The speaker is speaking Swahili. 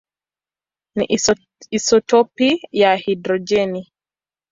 ni isotopi ya hidrojeni.